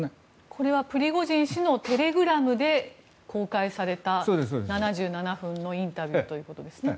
これはプリゴジン氏のテレグラムで公開された７７分のインタビューということですね。